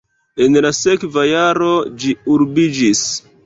En la sekva jaro ĝi urbiĝis.